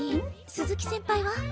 鈴木先輩は？